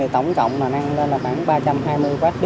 tổng cộng năng lên là ba trăm hai mươi mwp